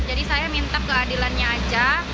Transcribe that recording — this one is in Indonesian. jadi saya minta keadilannya aja